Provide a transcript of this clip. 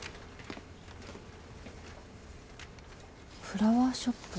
フラワーショップ